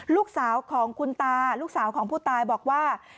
ลูกสาวของคุณตาลูกสาวของผู้ตายบอกว่า